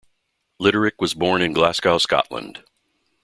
Litterick was born in Glasgow, Scotland.